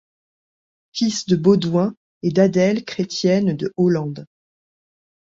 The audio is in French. Fils de Baudouin et d'Adèle Chrétienne de Hollande.